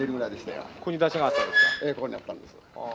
ええここにあったんです。